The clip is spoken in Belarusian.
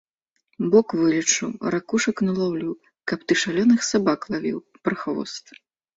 Бок вылечу, ракушак налаўлю, каб ты шалёных сабак лавіў, прахвост.